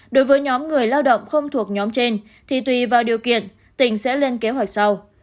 đối với nhóm người lao động không thuộc nhóm trên thì tùy vào điều kiện tỉnh sẽ lên kế hoạch sau